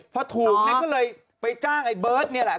พอถูกเนี่ยก็เลยไปจ้างไอ้เบิร์ตนี่แหละ